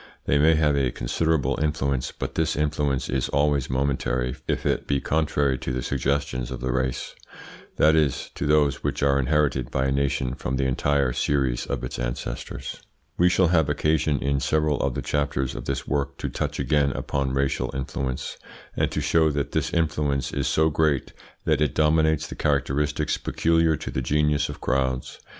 They may have a considerable influence, but this influence is always momentary if it be contrary to the suggestions of the race; that is, to those which are inherited by a nation from the entire series of its ancestors. We shall have occasion in several of the chapters of this work to touch again upon racial influence, and to show that this influence is so great that it dominates the characteristics peculiar to the genius of crowds.